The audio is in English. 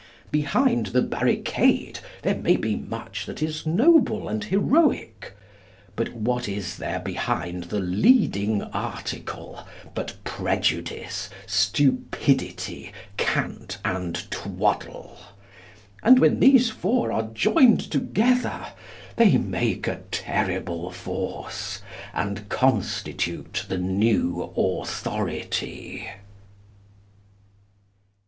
Behind the barricade there may be much that is noble and heroic. But what is there behind the leading article but prejudice, stupidity, cant, and twaddle? And when these four are joined together they make a terrible force, and constitute the new authority.